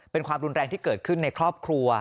เป็นความรุนแรงที่เกิดขึ้นในครอบครัว